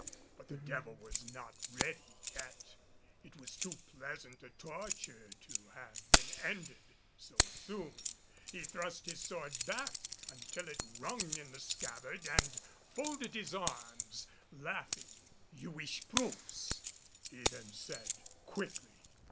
But the devil was not ready yet. It was too pleasant a torture to have been ended so soon. He thrust his sword back until it rung in the scabbard and folded his arms, laughing. "You wish proofs," he then said quickly.